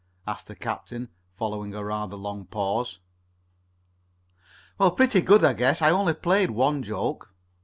asked the captain, following a rather long pause. "Well, pretty good, I guess. I only played one joke."